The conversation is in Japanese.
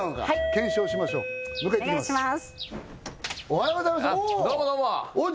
おはようございますおお